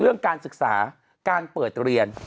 เรื่องการศึกษาการเปิดเรียน